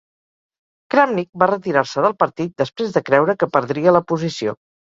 Kramnik va retirar-se del partit després de creure que perdria la posició.